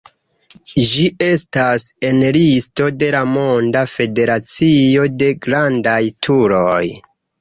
Ĝi estas en listo de la Monda Federacio de Grandaj Turoj.